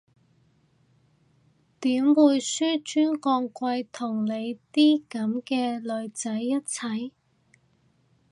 點會紓尊降貴同你啲噉嘅女仔一齊？